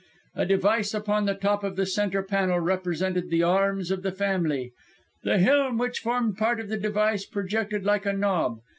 "A device upon the top of the centre panel represented the arms of the family; the helm which formed part of the device projected like a knob.